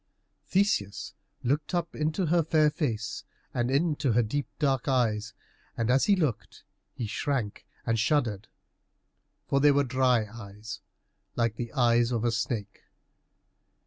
Theseus looked up into her fair face and into her deep dark eyes, and as he looked he shrank and shuddered, for they were dry eyes like the eyes of a snake.